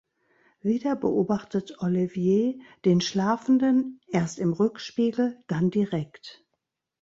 Wieder beobachtet Olivier den Schlafenden, erst im Rückspiegel, dann direkt.